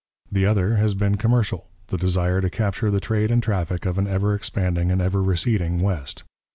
The other has been commercial, the desire to capture the trade and traffic of an ever expanding and ever receding west.